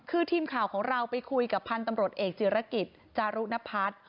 คือทีมข่าวของเราไปคุยกับพันธุ์ตำรวจเอกจิรกิจจารุณพัฒน์